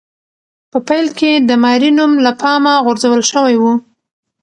په پیل کې د ماري نوم له پامه غورځول شوی و.